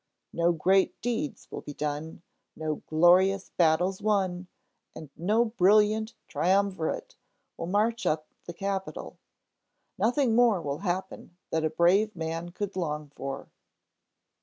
No great deeds will be done, no glorious battles won, and no brilliant triumvirate will march up to the Capitol. Nothing more will happen that a brave man could long for."